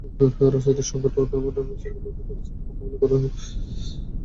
রাজনৈতিক সংঘাত বিদ্যমান এমন দেশগুলোর পরিস্থিতি মোকাবিলা করা নিয়ে দোটানায় পড়ে ব্রাদারহুড।